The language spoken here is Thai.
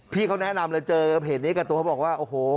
พี่เขาแนะนำเลยเจอเพจนี้กับตัวเขาบอกว่าโอ้โห